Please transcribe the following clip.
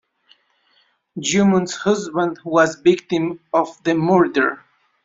Joomun's husband was a victim of the murder.